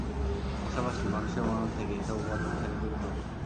পাশাপাশি, মানুষের মনন থেকে এসব উপাদান ঝেড়ে ফেলতে হবে।